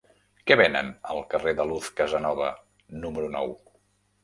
Què venen al carrer de Luz Casanova número nou?